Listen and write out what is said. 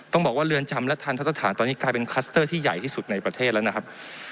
บอกว่าเรือนจำและทันทสถานตอนนี้กลายเป็นคลัสเตอร์ที่ใหญ่ที่สุดในประเทศแล้วนะครับ